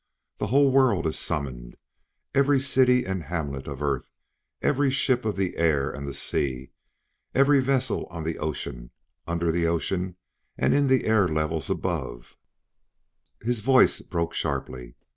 the whole world is summoned! Every city and hamlet of Earth every ship of the air and the sea every vessel on the ocean, under the ocean, and in the air levels above " His voice broke sharply.